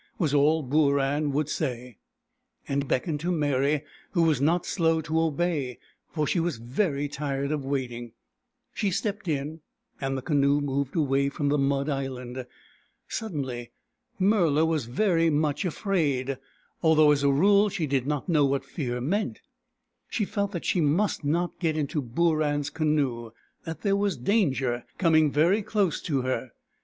was all Booran would BOORAN, THE PELICAN 97 say ; and he beckoned to Meri, who was not slow to obey, for she was very tired of waiting. She stepped in, and the canoe moved away from the mud island. Suddenly Murla was very much afraid, although as a rule she did not know what fear meant. She felt that she must not get into Booran's canoe — that there was danger coming very close to her.